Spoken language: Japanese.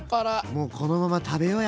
もうこのまま食べよう